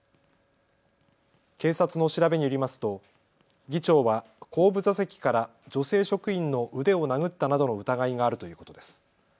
警察の調べによりますと議長は後部座席から女性職員の腕を殴ったなどの疑いがあるということです。